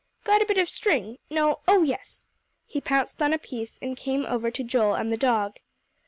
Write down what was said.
"Got a bit of string? No oh, yes." He pounced on a piece, and came over to Joel and the dog.